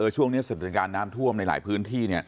ช่วงนี้โดยสิทธิสดันตาน้ำท่วมในหลายพื้นที่